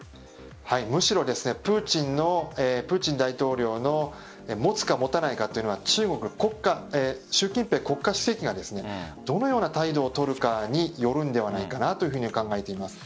むしろプーチン大統領の持つか持たないかというのは中国の習近平国家主席がどのような態度を取るかによるんではないかというふうに考えています。